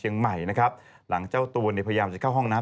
นะครับหลังเจ้าตัวในพยายามจะเข้าห้องน้ำ